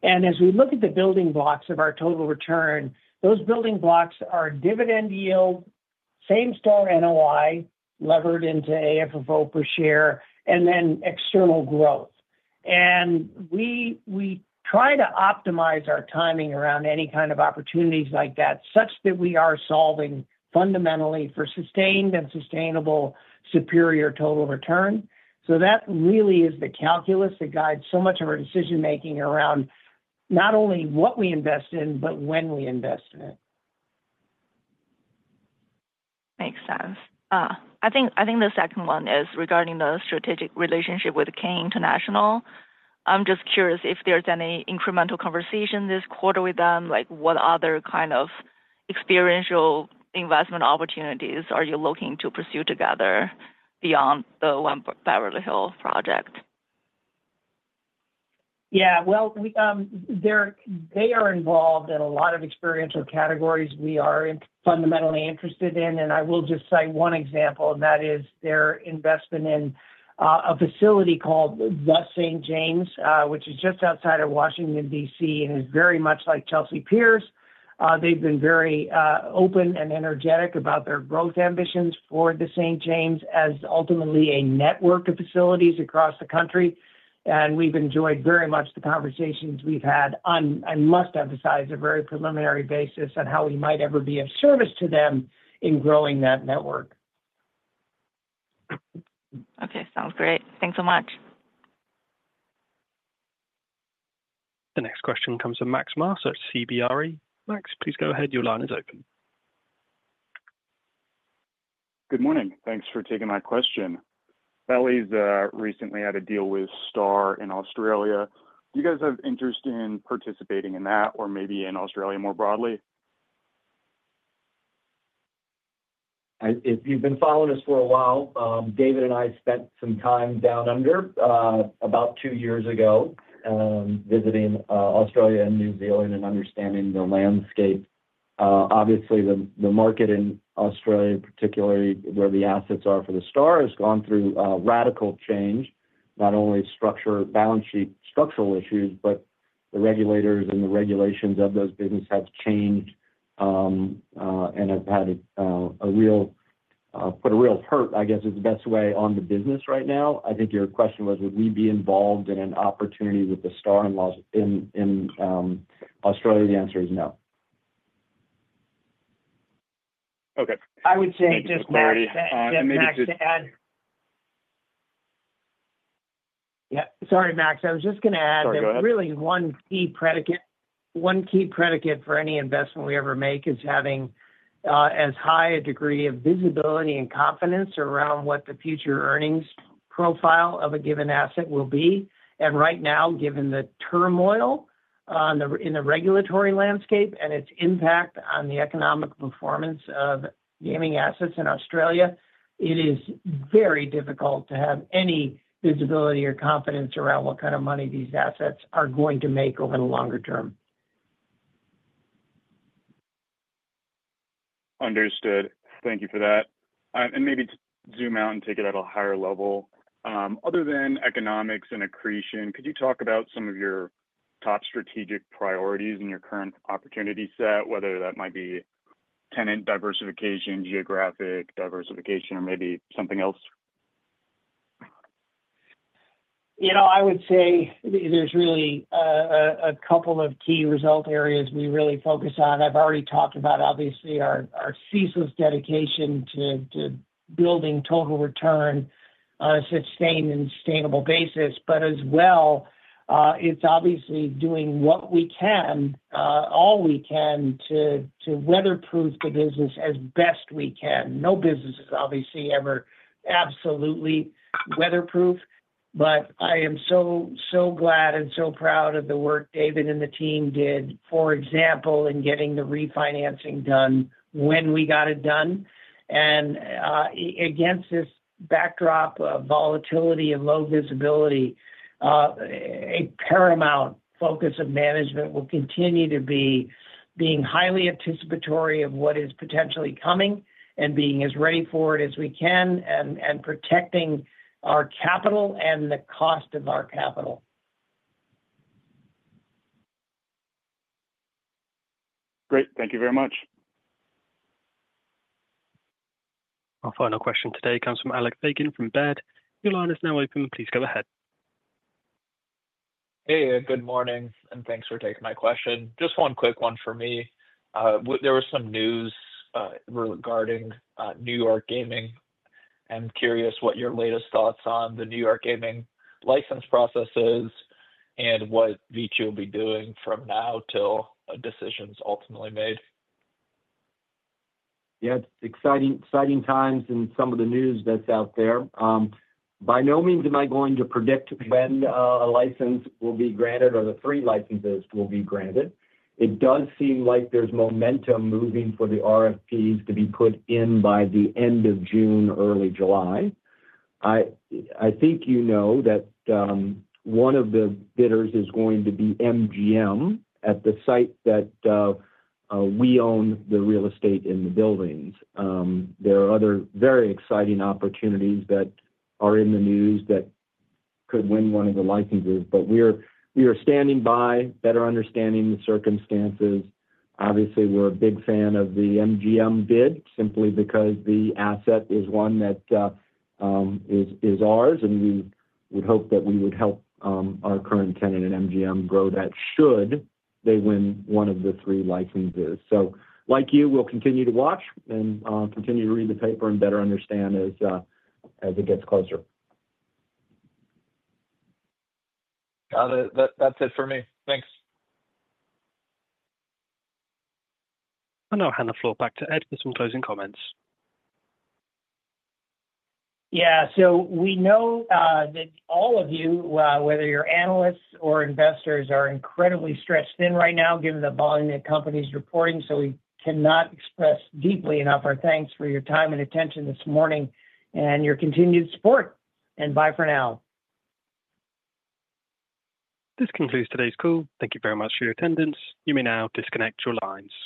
As we look at the building blocks of our total return, those building blocks are dividend yield, same-store NOI levered into AFFO per share, and then external growth. We try to optimize our timing around any kind of opportunities like that such that we are solving fundamentally for sustained and sustainable superior total return. That really is the calculus that guides so much of our decision-making around not only what we invest in, but when we invest in it. Makes sense. I think the second one is regarding the strategic relationship with Cain International. I'm just curious if there's any incremental conversation this quarter with them. What other kind of experiential investment opportunities are you looking to pursue together beyond the One Beverly Hills project? Yeah. They are involved in a lot of experiential categories we are fundamentally interested in. I will just cite one example, and that is their investment in a facility called The St. James, which is just outside of Washington, DC, and is very much like Chelsea Piers. They've been very open and energetic about their growth ambitions for The St. James as ultimately a network of facilities across the country. We've enjoyed very much the conversations we've had on, I must emphasize, a very preliminary basis on how we might ever be of service to them in growing that network. Okay. Sounds great. Thanks so much. The next question comes from Max Marsh at CBRE. Max, please go ahead. Your line is open. Good morning. Thanks for taking my question. Bally's recently had a deal with Star in Australia. Do you guys have interest in participating in that or maybe in Australia more broadly? If you've been following us for a while, David and I spent some time down under about two years ago visiting Australia and New Zealand and understanding the landscape. Obviously, the market in Australia, particularly where the assets are for the Star, has gone through a radical change. Not only structural issues, but the regulators and the regulations of those businesses have changed and have put a real hurt, I guess is the best way, on the business right now. I think your question was, would we be involved in an opportunity with the Star in Australia? The answer is no. Okay. I would say just. Hey, Mary. Yeah. Sorry to add. Yeah. Sorry, Max. I was just going to add that really one key predicate for any investment we ever make is having as high a degree of visibility and confidence around what the future earnings profile of a given asset will be. Right now, given the turmoil in the regulatory landscape and its impact on the economic performance of gaming assets in Australia, it is very difficult to have any visibility or confidence around what kind of money these assets are going to make over the longer term. Understood. Thank you for that. Maybe to zoom out and take it at a higher level, other than economics and accretion, could you talk about some of your top strategic priorities in your current opportunity set, whether that might be tenant diversification, geographic diversification, or maybe something else? I would say there's really a couple of key result areas we really focus on. I've already talked about, obviously, our ceaseless dedication to building total return on a sustained and sustainable basis. As well, it's obviously doing what we can, all we can, to weatherproof the business as best we can. No business is obviously ever absolutely weatherproof. I am so glad and so proud of the work David and the team did, for example, in getting the refinancing done when we got it done. Against this backdrop of volatility and low visibility, a paramount focus of management will continue to be being highly anticipatory of what is potentially coming and being as ready for it as we can and protecting our capital and the cost of our capital. Great. Thank you very much. Our final question today comes from Alec Feygin from Baird. Your line is now open. Please go ahead. Hey, good morning. Thanks for taking my question. Just one quick one for me. There was some news regarding New York Gaming. I'm curious what your latest thoughts on the New York Gaming license process is and what VICI will be doing from now till decisions ultimately made. Yeah. Exciting times in some of the news that's out there. By no means am I going to predict when a license will be granted or the three licenses will be granted. It does seem like there's momentum moving for the RFPs to be put in by the end of June, early July. I think you know that one of the bidders is going to be MGM at the site that we own the real estate in the buildings. There are other very exciting opportunities that are in the news that could win one of the licenses. We are standing by, better understanding the circumstances. Obviously, we're a big fan of the MGM bid simply because the asset is one that is ours, and we would hope that we would help our current tenant at MGM grow that should they win one of the three licenses. Like you, we'll continue to watch and continue to read the paper and better understand as it gets closer. Got it. That's it for me. Thanks. Hannah Floor, back to Ed with some closing comments. Yeah. We know that all of you, whether you're analysts or investors, are incredibly stretched thin right now given the volume that the company is reporting. We cannot express deeply enough our thanks for your time and attention this morning and your continued support. Bye for now. This concludes today's call. Thank you very much for your attendance. You may now disconnect your lines.